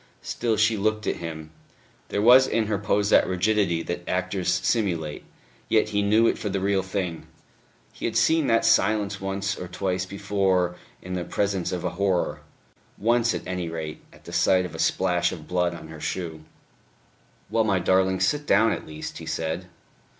Still she looked at him. There was in her pose that rigidity that actors simulate; yet he knew it for the real thing. He had seen that silence once or twice before in the presence of a horror once at any rate, at the sight of a splash of blood on her shoe. "Well, my darling, sit down, at least," he said.